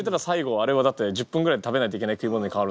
あれはだって１０分ぐらいで食べないといけない食い物に変わる。